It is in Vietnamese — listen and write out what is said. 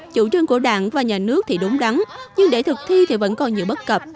chủ trương của đảng và nhà nước thì đúng đắn nhưng để thực thi thì vẫn còn nhiều bất cập